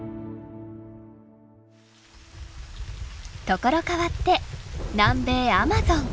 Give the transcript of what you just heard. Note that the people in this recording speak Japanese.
ところ変わって南米アマゾン。